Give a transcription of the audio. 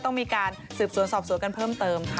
ต้องมีการสืบสวนสอบสวนกันเพิ่มเติมค่ะ